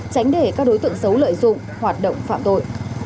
tránh để các đối tượng xấu lợi dụng hoạt động phạm tội